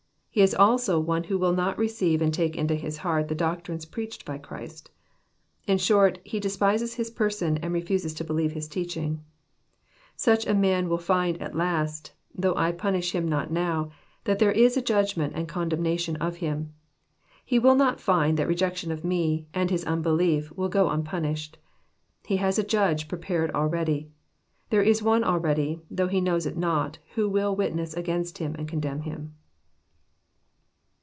He is also one who will not receive and take into his heart the doctrines preached by Christ. In short, he despises His person, and refuses to believe His teaching. —" Such a man will find at last, though I punish him not now, that there is a judgment and condemnation of him. He will not find that rejection of Me, and his unbelief, will go unpunished. He has a Judge prepared already. There is one already, though he knows it not, who will witness against him and condemn him."